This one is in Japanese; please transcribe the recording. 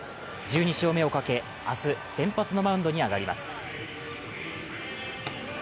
１２勝目をかけ、明日、先発のマウンドに上がります。